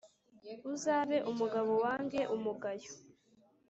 uzabe umugabo, wange umugayo.